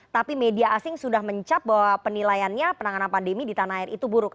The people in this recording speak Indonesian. tapi media asing sudah mencap bahwa penilaiannya penanganan pandemi di tanah air itu buruk